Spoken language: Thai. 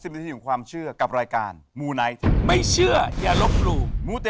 ๖๐นาทีของความเชื่อกับรายการมูนายท